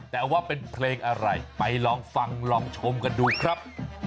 แต่ว่าเป็นเพลงอะไรไปลองฟังลองชมกันดูครับ